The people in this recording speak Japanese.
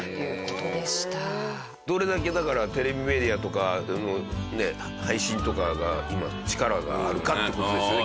どれだけだからテレビメディアとかの。配信とかが今力があるかっていう事ですよね。